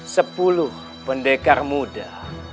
sepuluh pendekar muda